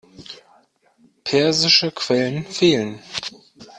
Persische Quellen fehlen.